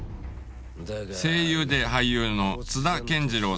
声優で俳優の津田健次郎さん。